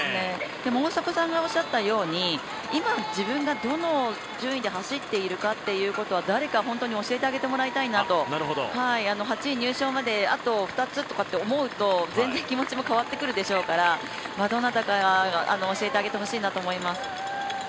大迫さんがおっしゃったように今自分がどの順位で走っているか誰か、本当に教えてあげてほしいなってあと入賞まで２つっていうのを知れると全然、気持ちも変わってくるでしょうからどなたか教えてあげてほしいなと思います。